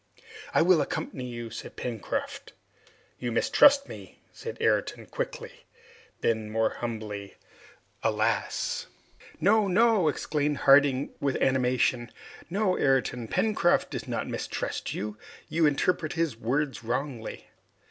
"I will accompany you," said Pencroft. "You mistrust me!" said Ayrton quickly. Then more humbly, "Alas!" "No! no!" exclaimed Harding with animation, "no, Ayrton, Pencroft does not mistrust you. You interpret his words wrongly."